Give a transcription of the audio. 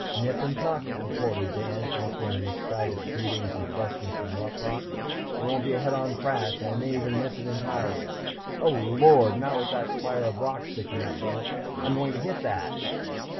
"Nip and tuck," reported Dan, answering the excited pleadings and questions from Rough Rock. "It won't be a head on crash. I may even miss entirely.... Oh, Lord! Not with that spire of rock sticking up from it.... I'm going to hit that